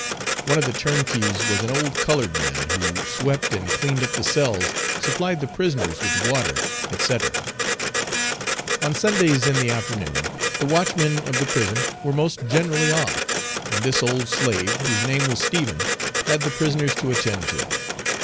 One of the turnkeys was an old colored man, who swept and cleaned up the cells, supplied the prisoners with water, &c. On Sundays in the afternoon, the watchmen of the prison were most generally off, and this old slave, whose name was Stephen, had the prisoners to attend to.